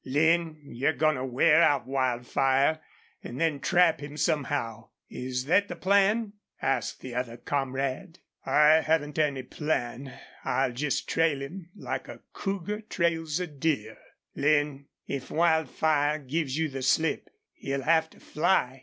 "Lin, you're goin' to wear out Wildfire, an' then trap him somehow is thet the plan?" asked the other comrade. "I haven't any plan. I'll just trail him, like a cougar trails a deer." "Lin, if Wildfire gives you the slip he'll have to fly.